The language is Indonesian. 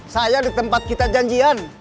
saya di tempat kita janjian